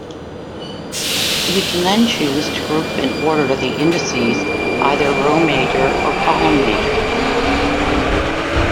We can then choose to group and order the indices either row-major or column-major.